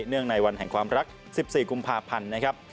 ในวันแห่งความรัก๑๔กุมภาพันธ์นะครับ